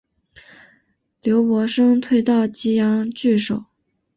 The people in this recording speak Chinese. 刘伯升退到棘阳据守。